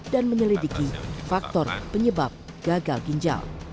dan menyelidiki faktor penyebab gagal ginjal